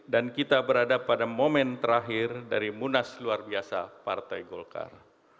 dan kita berada pada momen terakhir dari munas luar biasa partai golkar